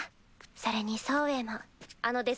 それにソウエイもあのデス・